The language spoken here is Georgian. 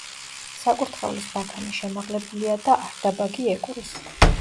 საკურთხევლის ბაქანი შემაღლებულია და არდაბაგი ეკვრის.